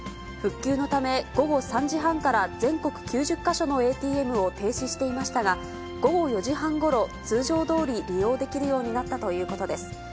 復旧のため、午後３時半から全国９０か所のＡＴＭを停止していましたが、午後４時半ごろ、通常どおり利用できるようになったということです。